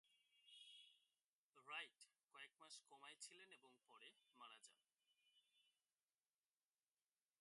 Right কয়েক মাস কোমায় ছিলেন এবং পরে মারা যান।